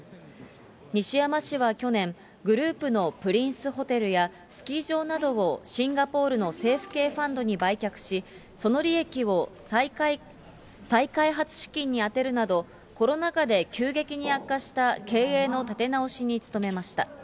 西山氏は去年、グループのプリンスホテルやスキー場などを、シンガポールの政府系ファンドに売却し、その利益を再開発資金に充てるなど、コロナ禍で急激に悪化した経営の立て直しに努めました。